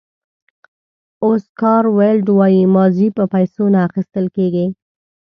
اوسکار ویلډ وایي ماضي په پیسو نه اخیستل کېږي.